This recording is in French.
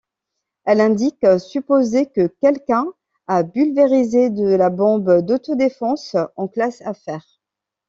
Elle indique supposer que quelqu'un a pulvérisé de la bombe d'auto-défense en classe affaires.